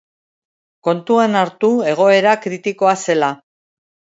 Kontuan hartu egoera kritikoa zela.